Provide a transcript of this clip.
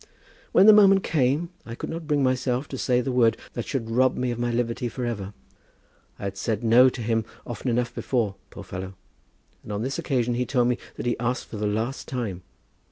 "When the moment came I could not bring myself to say the word that should rob me of my liberty for ever. I had said 'no' to him often enough before, poor fellow; and on this occasion he told me that he asked for the last time.